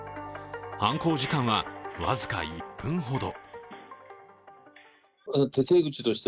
犯行時間は僅か１分ほど。